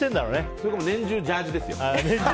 それか年中ジャージーですよ。